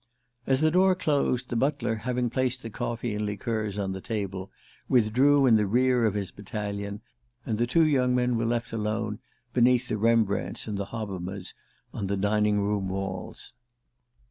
As the door closed, the butler, having placed the coffee and liqueurs on the table, withdrew in the rear of his battalion, and the two young men were left alone beneath the Rembrandts and Hobbemas on the dining room walls.